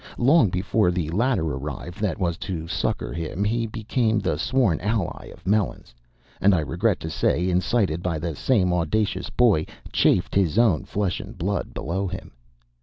Long before the ladder arrived that was to succor him, he became the sworn ally of Melons, and, I regret to say, incited by the same audacious boy, "chaffed" his own flesh and blood below him.